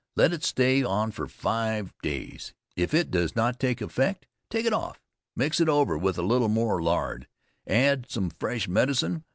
Let it stay on five days; if it does not take effect, take it off, mix it over with a little more lard, and add some fresh medicine.